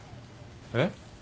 えっ？